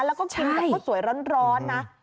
แล้วก็เฉ้นแล้วก็สวยร้อนนะ